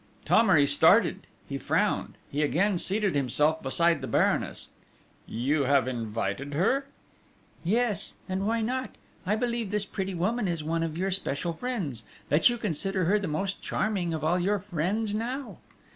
Thomery started. He frowned. He again seated himself beside the Baroness: "You have invited her?..." "Yes ... and why not?... I believe this pretty woman is one of your special friends... that you consider her the most charming of all your friends now!..."